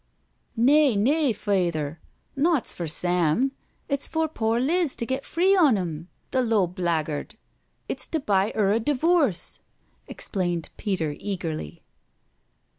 " Nay, nay, Fayther, naught's for Sam, it's for pore Liz to get free on 'im— the low blaguard— it's to buy 'jer a divoorce," explained Peter eagerly.